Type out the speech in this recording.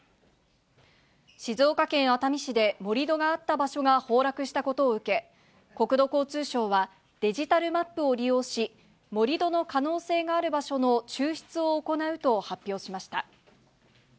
静岡県熱海市で盛り土があった場所が崩落したことを受け、国土交通省は、デジタルマップを利用し、盛り土の可能性がある場所の抽出を行うと発表しました。